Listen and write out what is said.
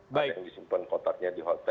ada yang disimpan kotaknya di hotel